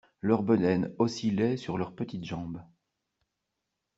Leurs bedaines oscillaient sur leurs petites jambes.